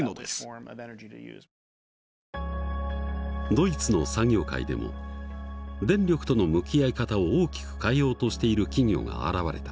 ドイツの産業界でも電力との向き合い方を大きく変えようとしている企業が現れた。